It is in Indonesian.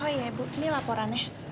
oh iya ibu ini laporannya